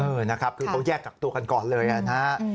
เออนะครับคือต้องแยกกักตัวกันก่อนเลยนะฮะ